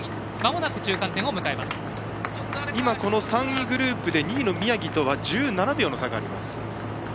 今、この３位グループで２位の宮城とは１７秒の差があります。